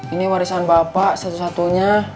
ini warisan bapak satu satunya